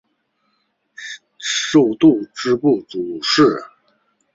授度支部主事。